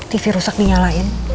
tv rusak dinyalain